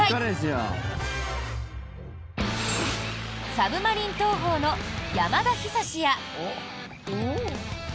サブマリン投法の山田久志や。